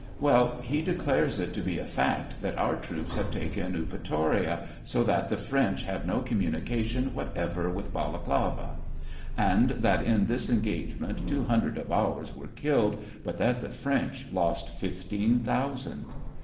) well, he declares it to be a fact that our troops have taken Eupatoria, so that the French have 7io communication whatever with Balaklava, and that in this engagement two hundred of ours were killed, but that the French lost fifteen thousand.